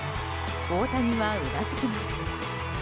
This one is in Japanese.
大谷はうなずきます。